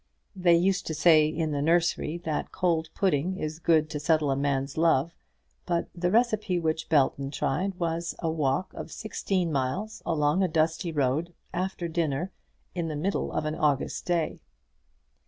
They used to say in the nursery that cold pudding is good to settle a man's love; but the receipt which Belton tried was a walk of sixteen miles, along a dusty road, after dinner, in the middle of an August day.